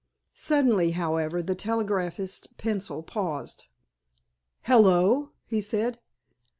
Suddenly, however, the telegraphist's pencil paused. "Hello!" he said.